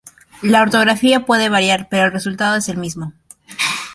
La ortografía puede variar, pero el resultado es el mismo.